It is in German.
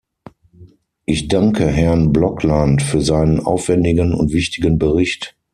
Ich danke Herrn Blokland für seinen aufwändigen und wichtigen Bericht.